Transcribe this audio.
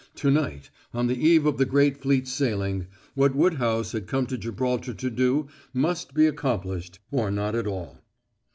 To night, on the eve of the great fleet's sailing, what Woodhouse had come to Gibraltar to do must be accomplished or not at all.